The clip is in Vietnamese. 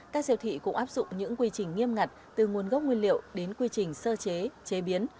các siêu thị cũng áp dụng những quy trình nghiêm ngặt từ nguồn gốc nguyên liệu đến quy trình sơ chế chế biến